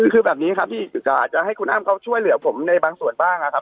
คือแบบนี้ครับพี่อาจจะให้คุณอ้ำเขาช่วยเหลือผมในบางส่วนบ้างนะครับ